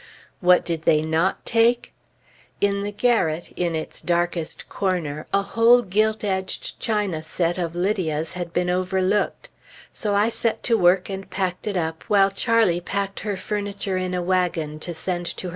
What did they not take? In the garret, in its darkest corner, a whole gilt edged china set of Lydia's had been overlooked; so I set to work and packed it up, while Charlie packed her furniture in a wagon, to send to her father.